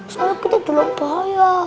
soalnya kita dulu bahaya